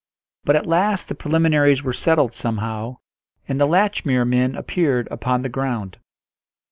But at last the preliminaries were settled somehow, and the Latchmere men appeared upon the ground.